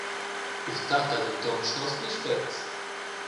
Il tat ei denton staus pli sperts.